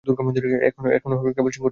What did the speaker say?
এখন কেবল সিংহটাই মিসিং।